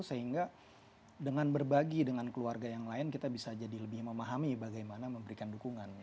sehingga dengan berbagi dengan keluarga yang lain kita bisa jadi lebih memahami bagaimana memberikan dukungan